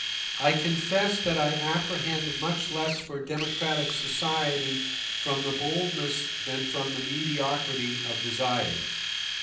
I confess that I apprehend much less for democratic society from the boldness than from the mediocrity of desires.